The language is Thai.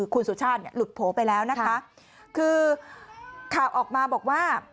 ข่าวออกมาบอกว่า